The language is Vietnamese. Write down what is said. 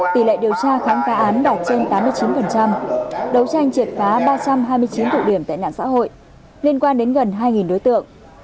tỷ lệ điều tra khám phá án đạt trên tám mươi chín đấu tranh triệt phá ba trăm hai mươi chín tụ điểm tệ nạn xã hội liên quan đến gần hai đối tượng